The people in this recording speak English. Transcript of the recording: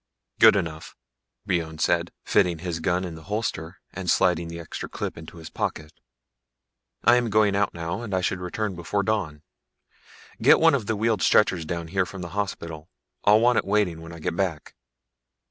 _'" "Good enough," Brion said, fitting his gun in the holster and sliding the extra clips into his pocket. "I'm going out now, and I should return before dawn. Get one of the wheeled stretchers down here from the hospital. I'll want it waiting when I get back."